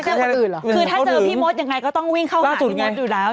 คือถ้าเจอพี่มดยังไงก็ต้องวิ่งเข้าหาพี่มดอยู่แล้ว